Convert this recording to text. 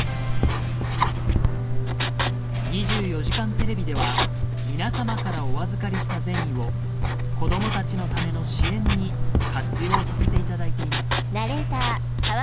『２４時間テレビ』では皆様からお預かりした善意を子どもたちのための支援に活用させていただいています